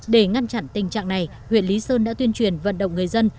để ngăn chặn tình trạng này huyện lý sơn đã tuyên truyền vận động người dân